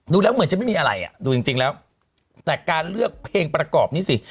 เหมือนจะไม่มีอะไรอ่ะดูจริงแล้วแต่การเลือกเพลงประกอบนี้สิ